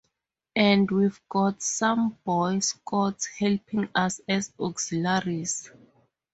And we've got some Boy-scouts helping us as auxiliaries.